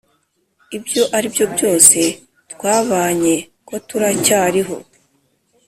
ibyo aribyo byose twabanye, ko turacyariho.